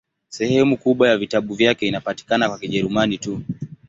Sehemu kubwa ya vitabu vyake inapatikana kwa Kijerumani tu.